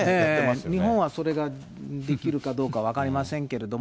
日本はそれができるかどうか分かりませんけれども。